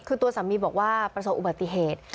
คือตัวสามีบอกว่าประสบอุบัติเหตุ